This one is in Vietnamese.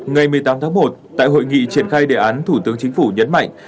ngày một mươi tám tháng một tại hội nghị triển khai đề án thủ tướng chính phủ nhấn mạnh